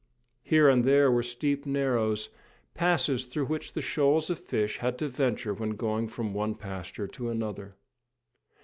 Here and there were steep narrows, passes through which the shoals of fish had to venture when going from one pasture to another.